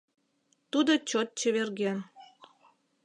Тудо чот чеверген.